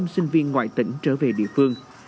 sáu năm trăm linh sinh viên ngoại tỉnh trở về địa phương